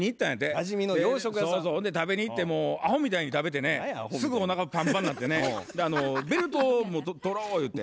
食べに行ってもうあほみたいに食べてねすぐおなかパンパンなってねベルトをもう取ろうゆうて。